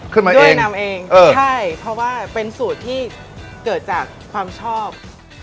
มาด้วยนำเองใช่เพราะว่าเป็นสูตรที่เกิดจากความชอบ